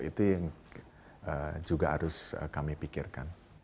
itu yang juga harus kami pikirkan